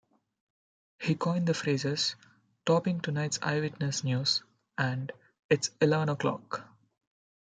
He coined the phrases "Topping tonight's Eyewitness News" and "It's eleven o'clock.